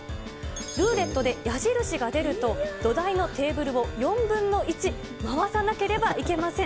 ルーレットで矢印が出ると、土台のテーブルを４分の１回さなければいけません。